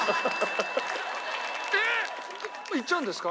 えっいっちゃうんですか？